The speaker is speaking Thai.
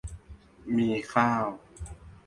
มีข้าว